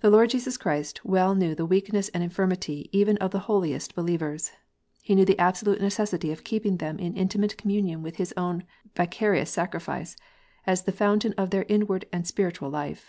The Lord Jesus Christ well knew the weakness and infirmity even of the holiest believers. He knew the absolute necessity of keeping them in intimate communion with His own vicarious sacrifice, as the Fountain of their inward and spiritual life.